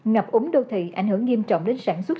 ngập úng đô thị ảnh hưởng nghiêm trọng đến sản xuất